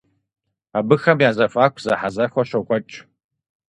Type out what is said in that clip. Абыхэм я зэхуаку зэхьэзэхуэ щокӏуэкӏ.